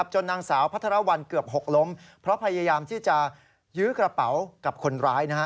นางสาวพัทรวรรณเกือบหกล้มเพราะพยายามที่จะยื้อกระเป๋ากับคนร้าย